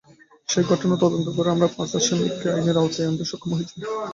সেই ঘটনায় তদন্ত করে আমরা পাঁচ আসামিকে আইনের আওতায় আনতে সক্ষম হয়েছি।